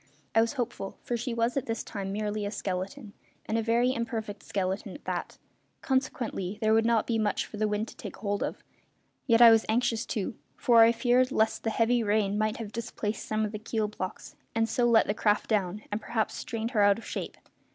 I was hopeful, for she was at this time merely a skeleton, and a very imperfect skeleton at that; consequently there would not be much for the wind to take hold of; yet I was anxious too, for I feared lest the heavy rain might have displaced some of the keel blocks and so let the craft down and perhaps strained her out of shape.